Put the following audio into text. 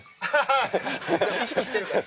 ハハ意識してるから。